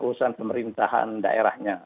urusan pemerintahan daerahnya